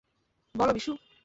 বলো, বিশু!